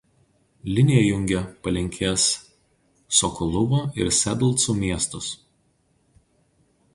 Linija jungia Palenkės Sokoluvo ir Sedlcų miestus.